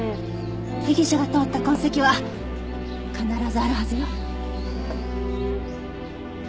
被疑者が通った痕跡は必ずあるはずよ。